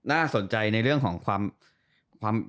น่าสนใจในเรื่องของความ